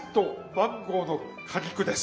マンゴーの果肉です。